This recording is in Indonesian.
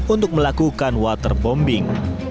untuk melakukan waterbombing